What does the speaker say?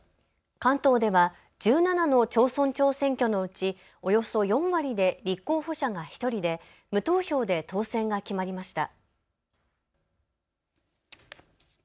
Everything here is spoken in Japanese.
関東では１７の町村長選挙のうちおよそ４割で立候補者が１人で無投票で当選が決まりました。